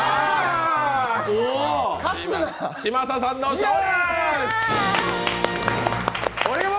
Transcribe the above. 嶋佐さんの勝利！